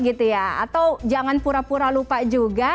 atau jangan pura pura lupa juga